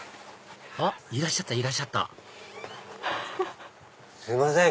あっいらっしゃったいらっしゃったすいません